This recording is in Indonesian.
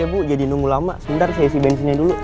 ya bu jadi nunggu lama sebentar saya isi bensinnya dulu